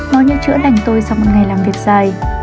nó như chữa lành tôi sau một ngày làm việc dài